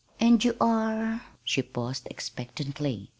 "And you are " she paused expectantly.